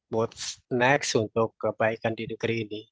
what s next untuk kebaikan di negeri ini